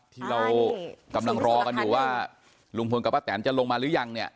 ที่เรากำลังรอกันอยู่ว่าลุงพลกับป้าแตนจะลงมาหรือยังเนี่ย